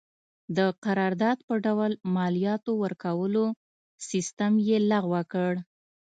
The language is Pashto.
د قرارداد په ډول مالیاتو ورکولو سیستم یې لغوه کړ.